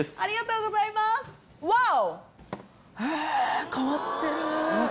へぇ変わってる。